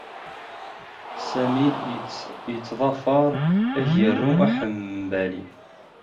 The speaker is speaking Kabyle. Sami yettḍafar agaru aḥembali.